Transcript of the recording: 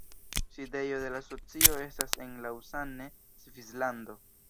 Sidejo de la asocio estas en Lausanne, Svislando.